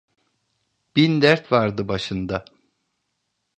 Bin dert vardı başında.